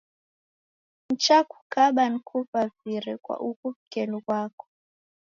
Nichakukaba nikuvavire kwa ughu w'ukelu ghwako